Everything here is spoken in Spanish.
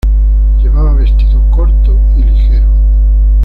Llevaba vestido corto y ligero.